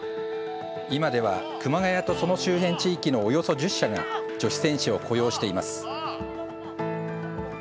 今では熊谷とその周辺地域のおよそ１０社が女子選手を雇用しています。